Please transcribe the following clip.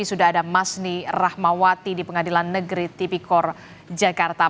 sudah ada masni rahmawati di pengadilan negeri tipikor jakarta